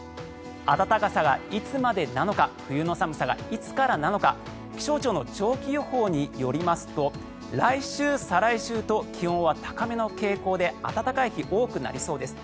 暖かさがいつまでなのか冬の寒さがいつからなのか気象庁の長期予報によりますと来週、再来週と気温は高めの傾向で暖かい日、多くなりそうです。